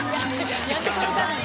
やってくれたのに。